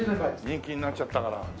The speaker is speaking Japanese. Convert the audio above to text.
人気になっちゃったから。